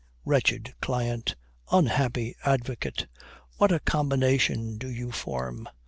Wretched client! unhappy advocate! what a combination do you form!